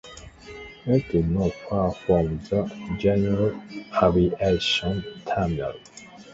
It is not far from the General Aviation Terminal.